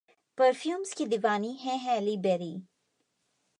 perfumes की दीवानी हैं हैली बेरी